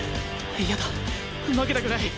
嫌だ負けたくない！